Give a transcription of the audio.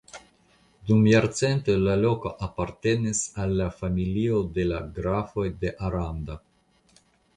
Dum jarcentoj la loko apartenis al la familio de la grafoj de Aranda.